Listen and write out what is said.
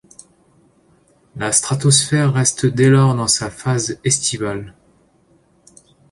La stratosphère reste dès lors dans sa phase estivale.